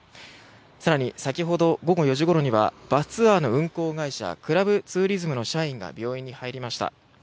更に、先ほど午後４時ごろにはバスツアーの運航会社クラブツーリズムの社員が病院に入りました。